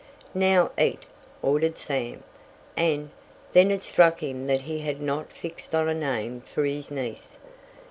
"Now eat," ordered Sam, "and " Then it struck him that he had not fixed on a name for his "niece."